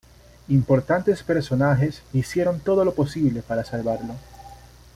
Importantes personajes hicieron todo lo posible para salvarlo.